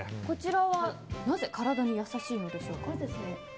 こちらはなぜ体に優しいのでしょうか？